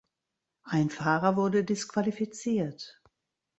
Ein Fahrer wurde disqualifiziert.